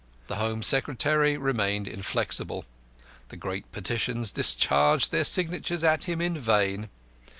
The Home Secretary remained inflexible; the great petitions discharged their signatures at him in vain.